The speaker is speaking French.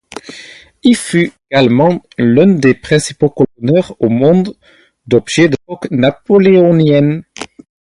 Il fut également l'un des principaux collectionneurs au monde d'objets de l'époque napoléonienne.